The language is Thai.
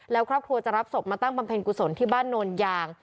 แล้วครอบครัวจะรับศพมาตั้งบำเพ็ญกุศลที่บ้านโนนยาง